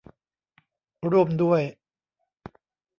ร่วมด้วย